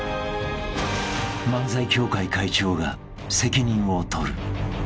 ［漫才協会会長が責任を取る］